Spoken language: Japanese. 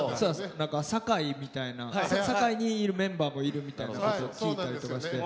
堺みたいな堺にいるメンバーもいるみたいなこと聞いたりとかして。